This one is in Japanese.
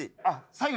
最後。